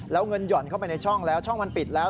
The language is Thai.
แล้วเงินห่อนเข้าไปในช่องแล้วช่องมันปิดแล้ว